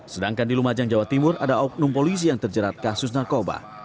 sedangkan di lumajang jawa timur ada oknum polisi yang terjerat kasus narkoba